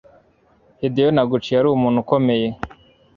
Hideyo Noguchi yari umuntu ukomeye